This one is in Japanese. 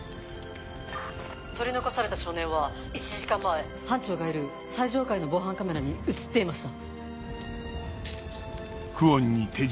取り残された少年は１時間前班長がいる最上階の防犯カメラに写っていました。